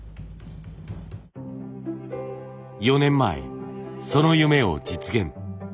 ４年前その夢を実現。